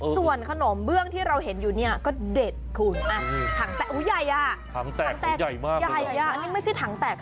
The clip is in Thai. ส่วนขนมเบื้องที่เราเห็นอยู่ก็เด็ดคุณ